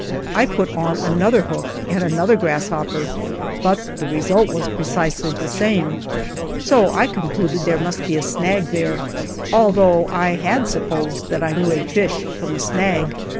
I put on another hook and another grasshopper, but the result was precisely the same, so I concluded there must be a snag there, although I had supposed that I knew a fish from a snag!